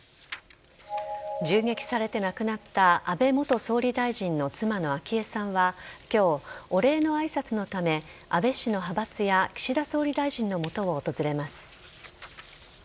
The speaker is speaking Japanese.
銃撃されて亡くなった安倍元総理大臣の妻の昭恵さんは今日、お礼の挨拶のため安倍氏の派閥や岸田総理大臣の元を訪れます。